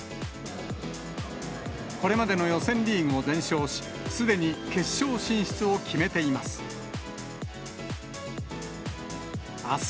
これまでの予選リーグを全勝し、すでに決勝進出を決めています。